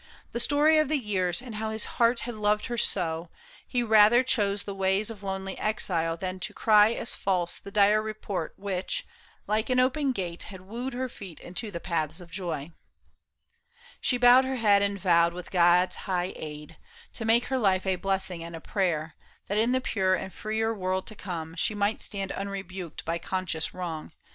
The stoiT of the years, and how his heart Had lored her so, he rather chose the ways Of lonely exile than to cry as false The dire report which, like an open gate Had wooed her feet into tiie paths of joy. And moved to the pure depths of her true heart. She bowed her head and vowed, with Gods high aid. To make her life a blessing and a prayer, That in the pure and freer world to come. She might stand unrebnked by conscious wrong.